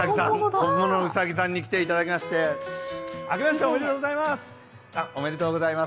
本物のうさぎさんに来ていただきまして、あけましておめでとうございます。